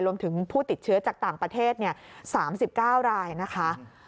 รวมถึงผู้ติดเชื้อจากต่างประเทศ๓๙รายนะคะ